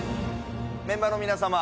メンバーの皆様